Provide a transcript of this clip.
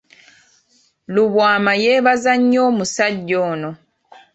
Lubwama yeebaza nnyo omusajja ono.